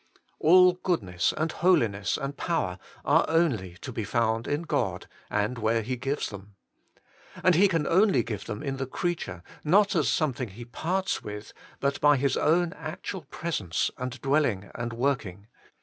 All goodness and holi ness and power are only to be found in God, and where He gives them. And He can only give them in the creature, not as something He parts with, but by His own actual presence and dwelling and working.